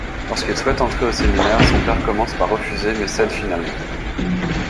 Lorsqu'il souhaite entrer au séminaire, son père commence par refuser mais cède finalement.